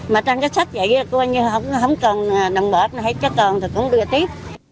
mà trong các sách vậy không còn đồng bộ hay chắc còn thì cũng đưa tiếp